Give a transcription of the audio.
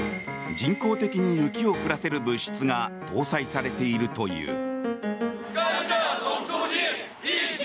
人工的に雪を降らせる物質が搭載されているという。